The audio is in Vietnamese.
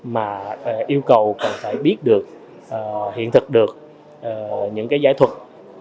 mà yêu cầu cần phải biết được hiện thực được những cái giải thuật